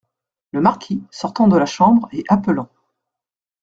Le Marquis , sortant de la chambre et appelant.